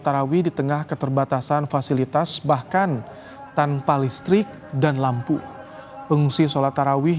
tarawih di tengah keterbatasan fasilitas bahkan tanpa listrik dan lampu pengungsi sholat tarawih